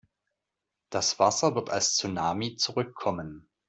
Das Wasser wird als Tsunami zurückkommen.